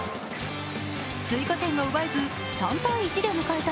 追加点が奪えず３−１で迎えた